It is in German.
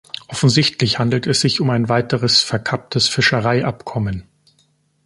Offensichtlich handelt es sich um ein weiteres verkapptes Fischereiabkommen.